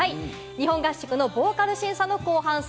日本合宿のボーカル審査の後半戦。